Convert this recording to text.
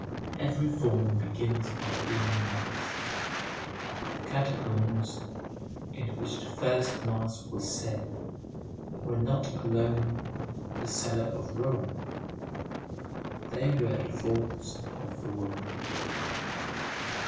Every form begins by being night. The catacombs, in which the first mass was said, were not alone the cellar of Rome, they were the vaults of the world.